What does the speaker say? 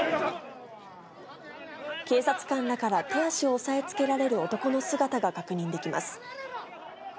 警察官らから手足を押さえつけられる男の姿が確認できます。